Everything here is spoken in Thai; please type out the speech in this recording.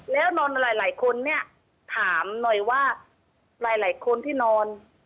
แล้วนอนหลายคนเนี่ยถามหน่อยว่าหลายคนที่นอน